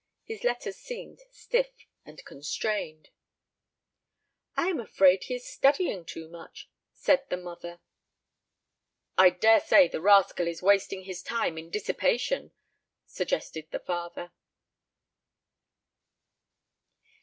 His letters seemed stiff and constrained. "I am afraid he is studying too much," said the mother. "I daresay the rascal is wasting his time in dissipation," suggested the father.